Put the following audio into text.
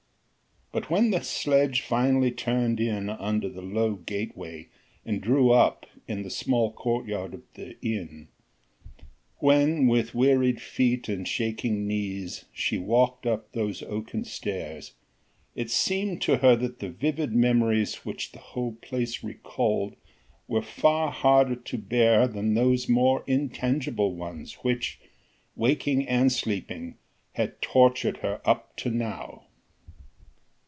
But when the sledge finally turned in under the low gateway and drew up in the small courtyard of the inn when with wearied feet and shaking knees she walked up those oaken stairs, it seemed to her that the vivid memories which the whole place recalled were far harder to bear than those more intangible ones which waking and sleeping had tortured her up to now.